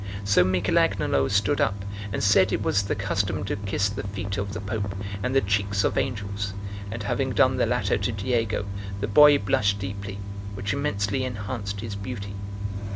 So Michel Agnolo stood up, and said it was the custom to kiss the feet of the Pope and the cheeks of angels; and having done the latter to Diego, the boy blushed deeply, which immensely enhanced his beauty.